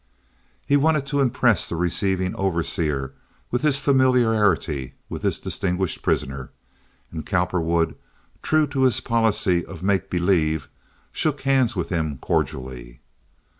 He wanted to impress the receiving overseer with his familiarity with this distinguished prisoner, and Cowperwood, true to his policy of make believe, shook hands with him cordially.